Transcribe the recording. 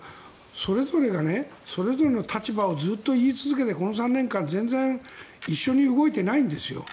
それぞれがそれぞれの立場をずっと言い続けてこの３年間全然一緒に動いてないんですよ。